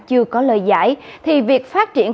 chưa có lời giải thì việc phát triển